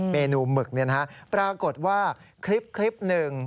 เมนูหมึกเนี่ยนะปรากฏว่าคลิปหนึ่ง